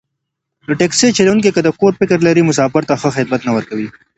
د تاکسي چلوونکی که د کور فکر لري، مسافر ته ښه خدمت نه ورکوي.